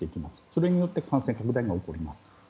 それによって感染拡大が起こります。